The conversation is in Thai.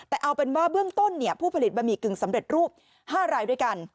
แต่เอาเป็นว่าเบื้องต้นผู้ผลิตบะหมี่กึ่งสำเร็จรูป๕รายด้วยกัน